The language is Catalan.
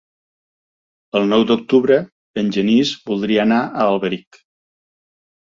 El nou d'octubre en Genís voldria anar a Alberic.